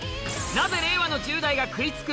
なぜ令和の１０代が食い付く？